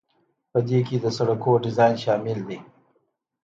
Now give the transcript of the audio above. په دې کې د سړکونو ډیزاین شامل دی.